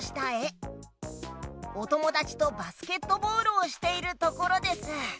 おともだちとバスケットボールをしているところです！